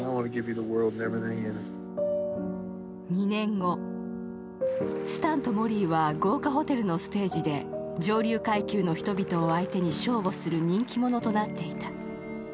２年後、スタンとモリーは豪華ホテルのステージで上流階級の人々を相手にショーをする人気者となっていた。